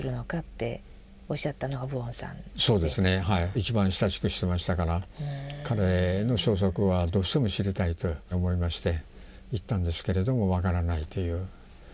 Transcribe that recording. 一番親しくしてましたから彼の消息はどうしても知りたいと思いまして行ったんですけれども分からないという。